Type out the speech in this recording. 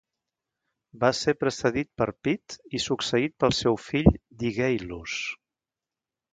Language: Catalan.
Va ser precedit per Pit i succeït pel seu fill Digueillus.